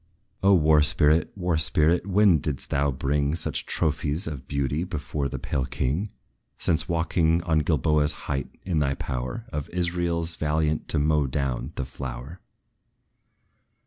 O War spirit! War spirit, when didst thou bring Such trophies of beauty before the pale king, Since walking on Gilboa's height, in thy power, Of Israel's valiant to mow down the flower?